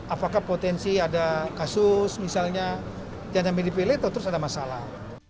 apakah potensi ada kasus misalnya dananya dipilih atau terus ada masalah